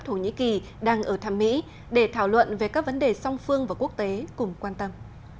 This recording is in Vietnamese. thổ nhĩ kỳ đang ở thăm mỹ để thảo luận về các vấn đề song phương và quốc tế cùng quan tâm